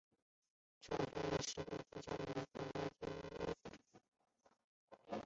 朝天岩须为杜鹃花科岩须属下的一个种。